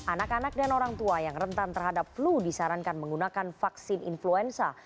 anak anak dan orang tua yang rentan terhadap flu disarankan menggunakan vaksin influenza